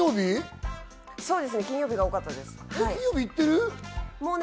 金曜日が多かったですね。